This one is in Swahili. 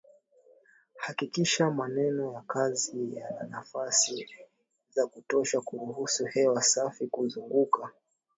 Hakikisha maeneo ya kazi yana nafasi za kutosha kuruhusu hewa safi kuzunguka